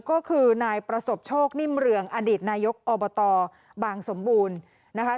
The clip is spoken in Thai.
ก็คือนายประสบโชคนิ่มเรืองอดีตนายกอบตบางสมบูรณ์นะคะ